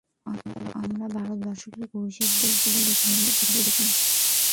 আমরা ভারতবর্ষকে কেবল পুরুষের দেশ বলেই দেখি, মেয়েদের একেবারেই দেখি নে।